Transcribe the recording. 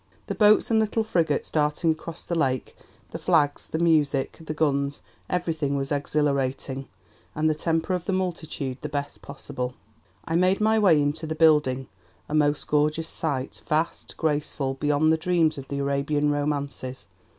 The boats, and little frigates, darting across the lake; the flags; the music; the guns; everything was exhilarating, and the temper of the multitude the best possible. ... "I made my way into the building; a most gorgeous sight; vast; graceful; beyond the dreams of the Arabian romances.